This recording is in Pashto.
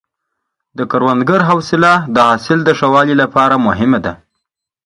د کروندګر حوصله د حاصل د ښه والي لپاره مهمه ده.